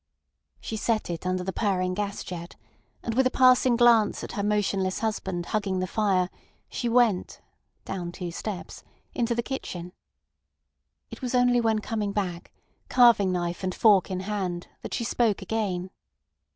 She set it under the purring gas jet, and with a passing glance at her motionless husband hugging the fire, she went (down two steps) into the kitchen. It was only when coming back, carving knife and fork in hand, that she spoke again.